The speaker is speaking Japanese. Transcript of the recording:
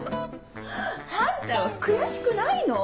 あんたは悔しくないの？